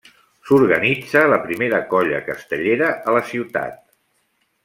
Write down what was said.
S'organitza la primera colla castellera a la ciutat.